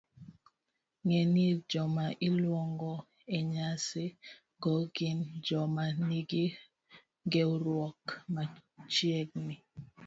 Ng'e ni joma iluongo e nyasi go gin joma nigi ng'eruok machiegni